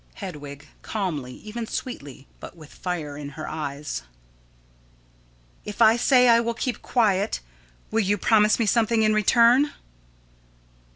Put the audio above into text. Hedwig: [Calmly, even sweetly, but with fire in her eye.] If I say I will keep quiet, will you promise me something in return?